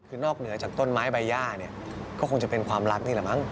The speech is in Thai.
คือนอกเหนือจากต้นไม้ใบย่าเนี่ยก็คงจะเป็นความรักนี่แหละมั้ง